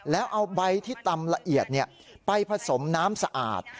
แล้วเอาใบที่ตำละเอียดไปผสมน้ำสะอาด